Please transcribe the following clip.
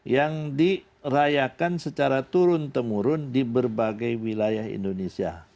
yang dirayakan secara turun temurun di berbagai wilayah indonesia